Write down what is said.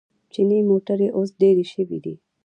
چیني موټرې اوس ډېرې شوې دي.